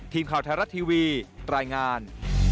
ทีมข่าวไทยรัฐทีวีรายงาน